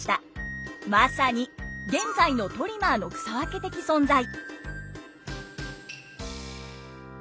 まさに現在のトリマーの草分け的存在！